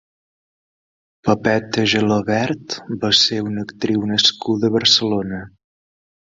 Pepeta Gelabert va ser una actriu nascuda a Barcelona.